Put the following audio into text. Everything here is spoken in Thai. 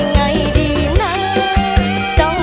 ยอมอายยอมให้พระเจ้า